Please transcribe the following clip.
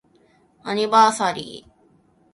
アニバーサリー